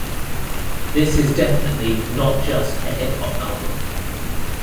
This is definitely not just a hip-hop album.